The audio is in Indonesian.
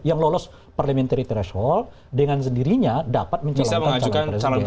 yang lolos parlemen teritorial dengan sendirinya dapat mencalonkan